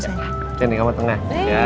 saya ke tengah tengah